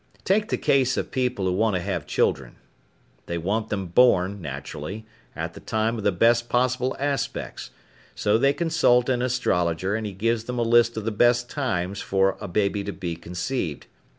Take the case of people who want to have children. They want them born, naturally, at the time of the best possible aspects, so they consult an astrologer and he gives them a list of the best times for a baby to be conceived.